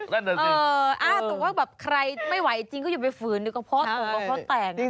แต่ว่าแบบใครไม่ไหวจริงก็อย่าไปฝืนหรือก็พอตกก็พอแต่ง